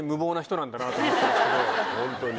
ホントに。